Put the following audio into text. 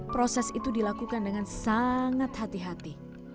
proses itu dilakukan dengan sangat hati hati